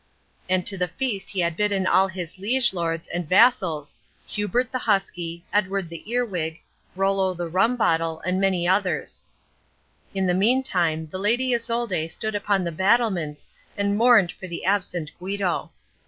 And to the feast he had bidden all his liege lords and vassals— Hubert the Husky, Edward the Earwig, Rollo the Rumbottle, and many others. In the meantime the Lady Isolde stood upon the battlements and mourned for the absent Guido.